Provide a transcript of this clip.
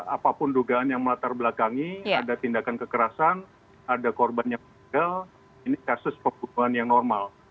apapun dugaan yang melatar belakangi ada tindakan kekerasan ada korban yang meninggal ini kasus pembunuhan yang normal